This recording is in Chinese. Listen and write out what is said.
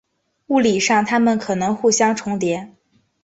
物理上它们可能互相重叠。